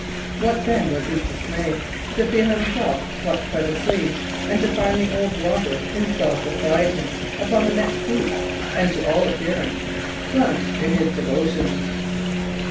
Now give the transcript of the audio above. What, then, was his dismay to feel himself plucked by the sleeve and to find the old robber installed beside him, upon the next seat, and, to all appearance, plunged in his devotions!